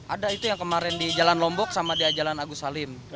ada itu yang kemarin di jalan lombok sama di jalan agus salim